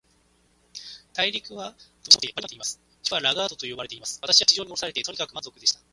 大陸は、飛島の国王に属していて、バルニバービといわれています。首府はラガードと呼ばれています。私は地上におろされて、とにかく満足でした。